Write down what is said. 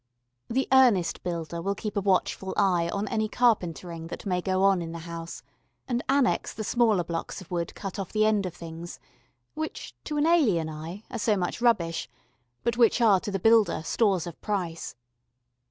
The earnest builder will keep a watchful eye on any carpentering that may go on in the house, and annex the smaller blocks of wood cut off the end of things, which, to an alien eye, are so much rubbish, but which are to the builder stores of price.